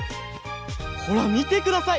ほらみてください！